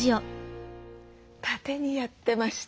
縦にやってました。